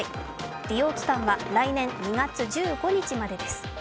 利用期間は来年２月１５日までです。